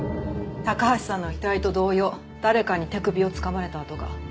高橋さんの遺体と同様誰かに手首をつかまれた痕が。